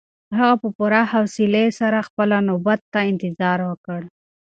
هغه په پوره حوصلي سره خپله نوبت ته انتظار وکړ.